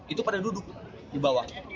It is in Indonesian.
itu pada duduk di bawah